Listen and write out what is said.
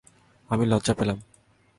আমি লজ্জা পেলাম।